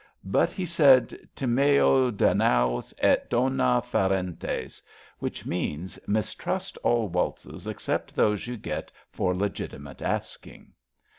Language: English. But he said: '* Timeo Danaos et dona ferentes/* which means Mistrust all waltzes except those you get for legitimate asking.